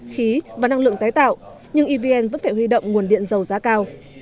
khí và năng lượng tái tạo nhưng evn vẫn phải huy động nguồn điện dầu giá cao